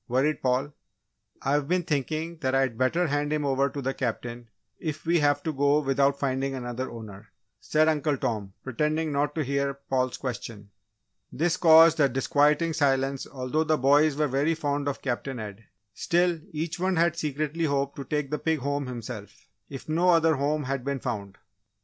worried Paul. "I've been thinking that I'd better hand him over to the Captain, if we have to go without finding another owner," said Uncle Tom, pretending not to hear Paul's question. This caused a disquieting silence although the boys were very fond of Captain Ed; still each one had secretly hoped to take the pig home himself, if no other home had been found.